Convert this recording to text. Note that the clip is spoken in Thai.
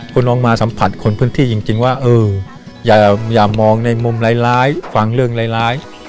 คุณลองมาสัมผัสคนพื้นที่จริงว่าเอออย่ามองในมุมร้ายฟังเรื่องร้าย